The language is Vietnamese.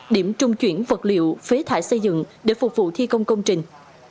điểm trung chuyển vật liệu phế thải xây dựng để phục vụ thi công công trình